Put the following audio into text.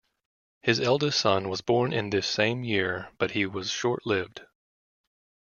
His eldest son was born in this same year, but he was short-lived.